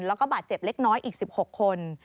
แล้วก็บาดเจ็บเล็กน้อยอีก๑๖คน